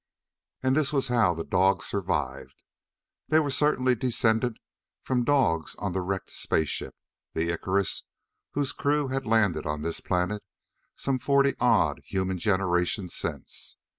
And this was how the dogs survived. They were certainly descended from dogs on the wrecked space ship the Icarus whose crew had landed on this planet some forty odd human generations since.